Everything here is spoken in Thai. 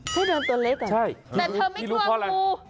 ไส้เดือนตัวเล็กเหรอใช่แต่เธอไม่กลัวกู